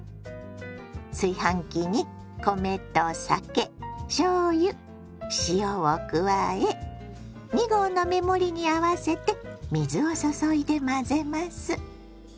炊飯器に米と酒しょうゆ塩を加え２合の目盛りに合わせて水を注いで混ぜます。